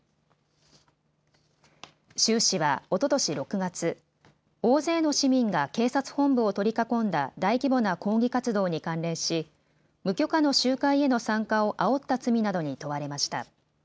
周氏はおととし６月、大勢の市民が警察本部を取り囲んだ大規模な抗議活動に関連し無許可の集会への参加をあおった罪などに問われました。